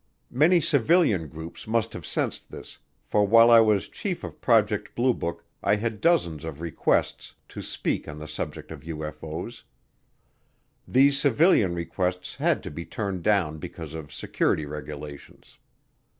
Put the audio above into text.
Many civilian groups must have sensed this, for while I was chief of Project Blue Book I had dozens of requests to speak on the subject of UFO's. These civilian requests had to be turned down because of security regulations.